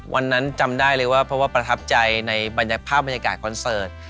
วันนั้นจำได้เลยว่าเพราะว่าประทับใจในภาพบริการคอนเสิร์ต